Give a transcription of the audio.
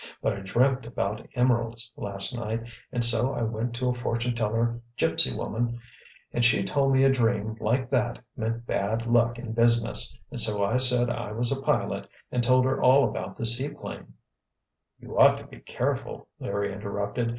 But I dreamt about emeralds, last night, and so I went to a fortune teller gypsy woman and she told me a dream like that meant bad luck in business, and so I said I was a pilot and told her all about the seaplane——" "You ought to be careful," Larry interrupted.